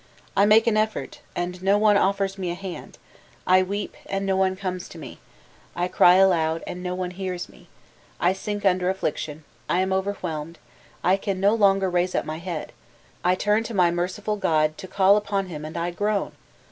I make an effort, and no one offers me a hand, I weep, and no one comes to me, I cry aloud, and no one hears me: I sink under affliction, I am overwhelmed, I can no longer raise up my head, I turn to my merciful god to call upon him, and I groan!...